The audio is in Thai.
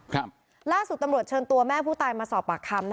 ครับล่าสุดตำรวจเชิญตัวแม่ผู้ตายมาสอบปากคำ